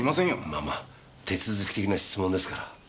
まあまあ手続き的な質問ですから。